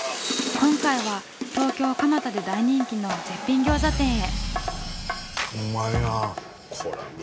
今回は東京蒲田で大人気の絶品餃子店へ。